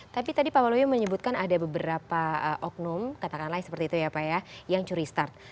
tapi tadi pak waluyo menyebutkan ada beberapa oknum katakanlah seperti itu ya pak ya yang curi start